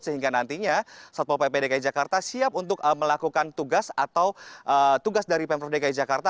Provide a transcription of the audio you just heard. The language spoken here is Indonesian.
sehingga nantinya satpol pp dki jakarta siap untuk melakukan tugas atau tugas dari pemprov dki jakarta